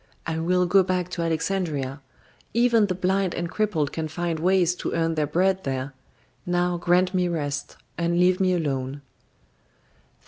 I will go back to Alexandria. Even the blind and crippled can find ways to earn their bread there. Now grant me rest, and leave me alone!"